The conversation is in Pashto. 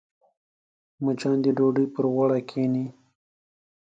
مچان د ډوډۍ پر غوړه کښېني